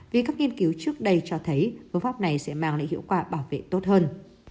vì các nghiên cứu trước đây cho thấy phương pháp này sẽ mang lại hiệu quả bảo vệ tốt hơn